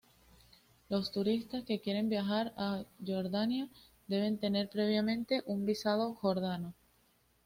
Los turistas que quieren viajar a Jordania deben tener previamente un visado jordano.